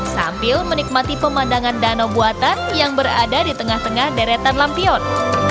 sambil menikmati pemandangan danau buatan yang berada di tengah tengah deretan lampion